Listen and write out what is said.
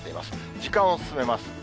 時間を進めます。